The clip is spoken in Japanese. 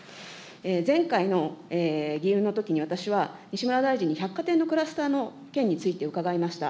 前回の議運のときに、私は西村大臣に百貨店のクラスターの県について伺いました。